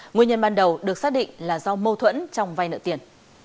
nguyên nhân ban đầu được xác định là do mâu thuẫn trong vay nợ tiền